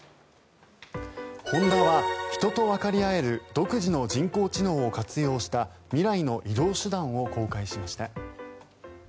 ホンダは人とわかり合える独自の人工知能を活用した未来の移動手段を公開しました。